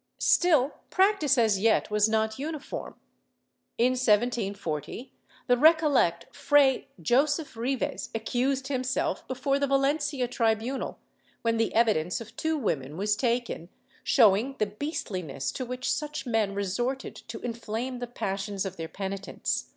^ Still, practice as yet was not uniform. In 1740, the Recollect Fray Joseph Rives accused himself before the Valencia tribunal, when the evidence of two women was taken, showing the beast liness to which such men resorted to inflame the passions of their penitents.